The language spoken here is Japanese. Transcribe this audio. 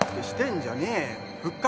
してんじゃねえよ